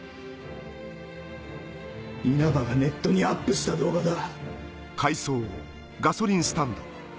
因幡がネットにアップした動画だ。